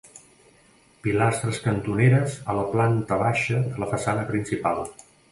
Pilastres cantoneres a la planta baixa de la façana principal.